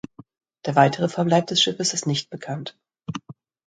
Der weitere Verbleib des Schiffes ist nicht bekannt.